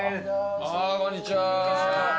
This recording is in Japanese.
こんにちは。